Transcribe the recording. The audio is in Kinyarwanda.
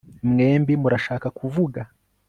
mwembi murashaka kuvuga